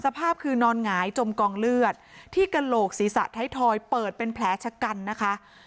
สภาพคือนอนหงายจมกองเลือดที่กระโหลกศีรษะไทยทอยเปิดเป็นแผลชะกันนะคะ